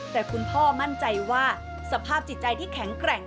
แต่คุณพ่อมั่นใจว่าสภาพจิตใจที่แข็งแกร่ง